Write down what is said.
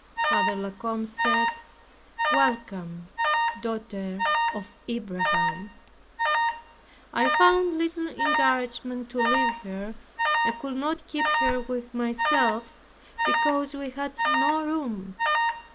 Father La Combe said, "Welcome, daughter of Abraham!" I found little encouragement to leave her and could not keep her with myself, because we had no room.